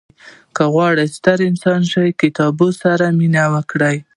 • که غواړې ستر انسان شې، د کتاب سره مینه وکړه.